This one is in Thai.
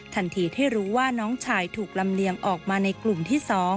ทันทีที่รู้ว่าน้องชายถูกลำเลียงออกมาในกลุ่มที่๒